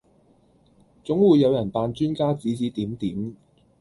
總會有人扮專家指指點點